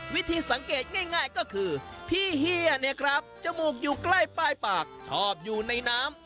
วิธีสังเกตง่ายก็คือพี่เฮียเนี่ยครับจมูกอยู่ใกล้ป้ายปากชอบอยู่ในน้ำ